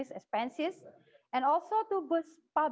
ya ini sangat menarik